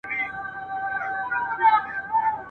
لا مي پلونه پکښی پاته هغه لار په سترګو وینم ..